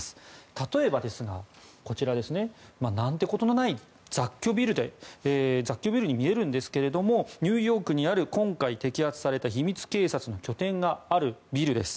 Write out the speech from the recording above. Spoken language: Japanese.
例えば、何てことない雑居ビルに見えるんですがニューヨークにある今回、摘発された秘密警察の拠点があるビルです。